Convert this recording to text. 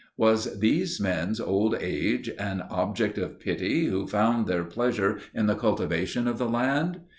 Was these men's old age an object of pity who found their pleasure in the cultivation of the land?